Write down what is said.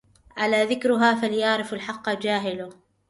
على ذكرها فليعرف الحق جاهله